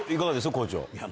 校長。